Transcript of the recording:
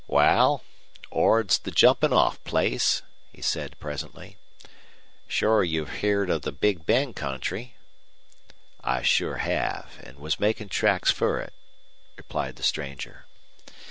"Wal, Ord's the jumpin' off place," he said, presently. "Sure you've heerd of the Big Bend country?" "I sure have, an' was makin' tracks fer it," replied the stranger.